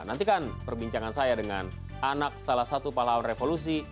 nantikan perbincangan saya dengan anak salah satu pahlawan revolusi